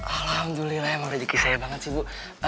alhamdulillah emang rezeki saya banget sih bu